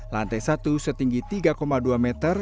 lantai satu setinggi tiga dua meter